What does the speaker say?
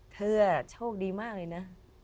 เธอโชคดีมากเลยนะ